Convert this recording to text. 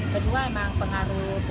ke dua emang pengaruh